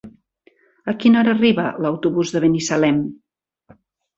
A quina hora arriba l'autobús de Binissalem?